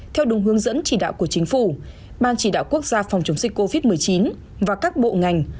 theo đúng hướng dẫn chỉ đạo của chính phủ ban chỉ đạo quốc gia phòng chống dịch covid một mươi chín và các bộ ngành